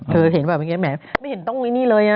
เธอเห็นแบบนี้แหมไม่เห็นต้องไว้นี่เลย